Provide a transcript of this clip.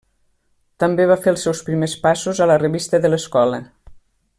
També va fer els seus primers passos a la revista de l'escola.